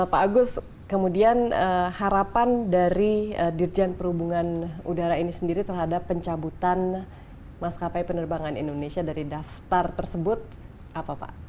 pak agus kemudian harapan dari dirjen perhubungan udara ini sendiri terhadap pencabutan maskapai penerbangan indonesia dari daftar tersebut apa pak